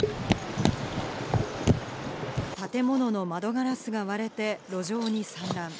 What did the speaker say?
建物の窓ガラスが割れて、路上に散乱。